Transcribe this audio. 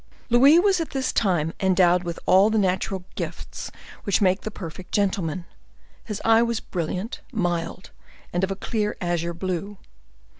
Louis was at this time endowed with all the natural gifts which make the perfect gentleman; his eye was brilliant, mild, and of a clear azure blue.